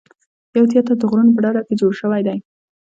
یو تیاتر د غرونو په ډډه کې جوړ شوی دی.